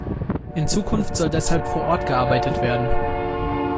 In Zukunft soll deshalb vor Ort gearbeitet werden.